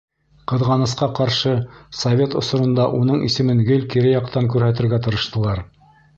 Ҡыҙғанысҡа ҡаршы, совет осоронда уның исемен гел кире яҡтан күрһәтергә тырыштылар.